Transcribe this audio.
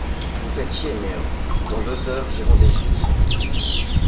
Vous faites chier, merde. Dans deux heures, j’ai rendez-vous